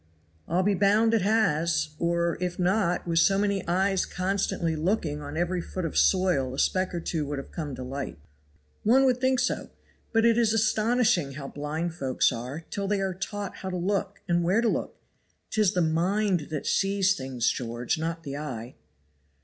"I'll be bound it has; or, if not, with so many eyes constantly looking on every foot of soil a speck or two would have come to light." "One would think so; but it is astonishing how blind folks are, till they are taught how to look, and where to look. 'Tis the mind that sees things, George, not the eye."